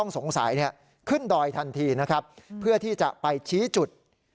สงสัยขึ้นดอยทันทีนะครับเพื่อที่จะไปชี้จุด